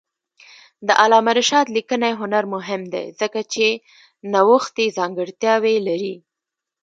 د علامه رشاد لیکنی هنر مهم دی ځکه چې نوښتي ځانګړتیاوې لري.